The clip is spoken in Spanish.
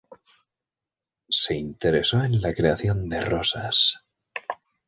Se interesó en la creación de rosas.